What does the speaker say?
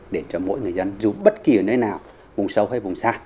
để cho mỗi người dân dù bất kỳ ở nơi nào vùng sâu hay vùng xa